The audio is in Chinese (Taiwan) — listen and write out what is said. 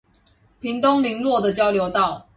屏東麟洛的交流道